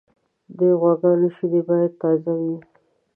د غواګانو شیدې باید تازه وي.